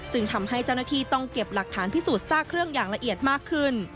ทำให้เจ้าหน้าที่ต้องเก็บหลักฐานพิสูจนซากเครื่องอย่างละเอียดมากขึ้น